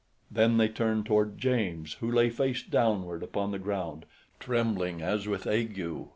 Then they turned toward James, who lay face downward upon the ground, trembling as with ague.